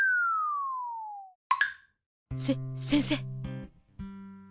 せ先生！